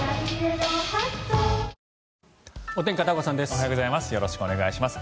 おはようございます。